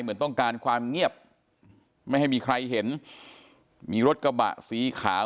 เหมือนต้องการความเงียบไม่ให้มีใครเห็นมีรถกระบะสีขาว